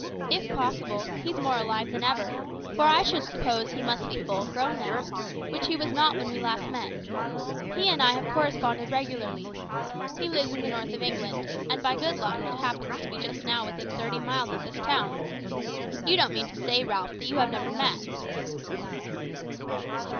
If possible, he's more alive than ever; for I should suppose he must be full grown now, which he was not when we last met. He and I have corresponded regularly. He lives in the north of England, and by good luck happens to be just now within thirty miles of this town. You don't mean to say, Ralph, that you have never met!"